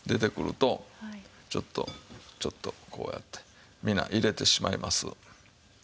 ちょっとちょっとこうやって皆入れてしまいます。